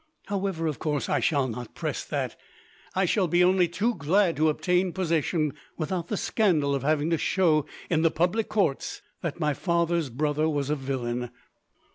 "However, of course I shall not press that. I shall be only too glad to obtain possession without the scandal of having to show, in the public courts, that my father's brother was a villain."